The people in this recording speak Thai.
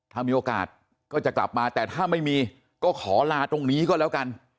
ถ้ามีโอกาสก็จะกลับมาแต่ถ้าไม่มีก็ขอลาตรงนี้ก็แล้วกัน